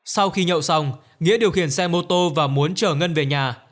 sau khi nhậu xong nghĩa điều khiển xe mô tô và muốn chở ngân về nhà